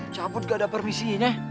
caput gak ada permisiinnya